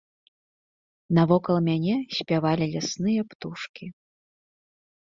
Навокал мяне спявалі лясныя птушкі.